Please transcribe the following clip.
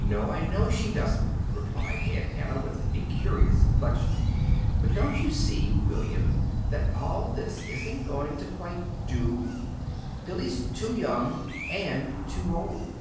"No; I know she doesn't," replied Aunt Hannah, with a curious inflection. "But don't you see, William, that all this isn't going to quite do? Billy's too young and too old."